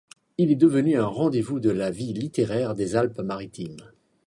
Il est devenu un rendez-vous de la vie littéraire des Alpes-Maritimes.